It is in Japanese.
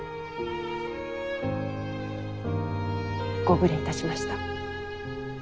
ご無礼いたしました。